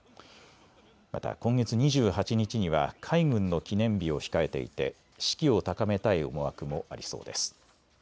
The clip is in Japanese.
また今月２８日には海軍の記念日を控えていて士気を高めたい思惑もありそうです。